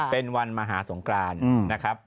เป็นวันมหาสงครานนะครับ